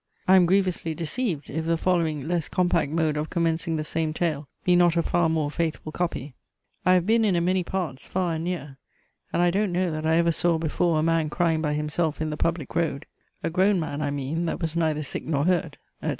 I am grievously deceived, if the following less compact mode of commencing the same tale be not a far more faithful copy. "I have been in a many parts, far and near, and I don't know that I ever saw before a man crying by himself in the public road; a grown man I mean, that was neither sick nor hurt," etc.